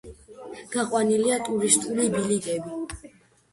გაყვანილია ტურისტული ბილიკები.